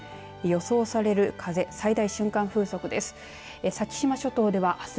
予想される風最大瞬間風速です。